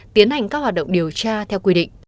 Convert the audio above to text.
tiến hành các hoạt động điều tra theo quy định